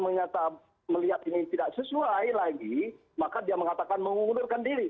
melihat ini tidak sesuai lagi maka dia mengatakan mengundurkan diri